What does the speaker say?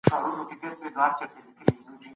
علمي پلټني د پوهنتونونو په لابراتوارونو کي ترسره کيږي.